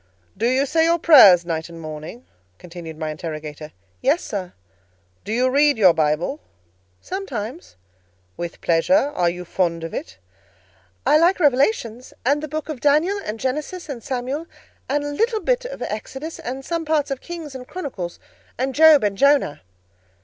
"Do you say your prayers night and morning?" continued my interrogator. "Yes, sir." "Do you read your Bible?" "Sometimes." "With pleasure? Are you fond of it?" "I like Revelations, and the book of Daniel, and Genesis and Samuel, and a little bit of Exodus, and some parts of Kings and Chronicles, and Job and Jonah."